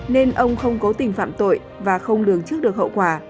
nên ông không cố tình phạm tội và không lường trước được hậu quả